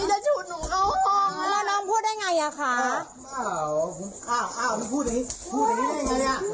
เธอตกใจมากโทรหาพ่อแล้วพ่อตามมาได้ทันเวลาพอดีเลย